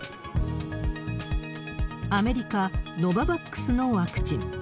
アメリカ、ノババックスのワクチン。